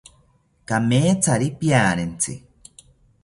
Kamethari piarentzi